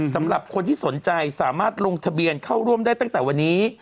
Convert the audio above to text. สำหรับคนที่สนใจสามารถลงทะเบียนเข้าร่วมได้ตั้งแต่วันนี้